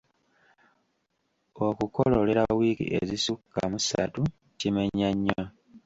Okukololera wiiki ezisukka mu ssatu kimenya nnyo.